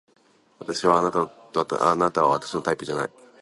あなたは私のタイプじゃない